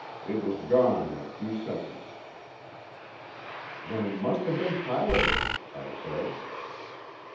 It was gone in a few seconds." "Then it must have been piloted," I said.